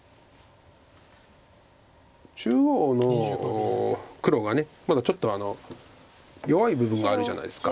中央の黒がまだちょっと弱い部分があるじゃないですか。